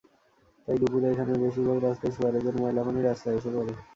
তাই দুপুরে এখানের বেশির ভাগ রাস্তায় সুয়ারেজের ময়লা পানি রাস্তায় এসে পড়ে।